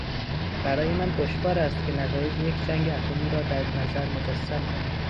برای من دشوار است که نتایج یک جنگ اتمی را در نظر مجسم کنم.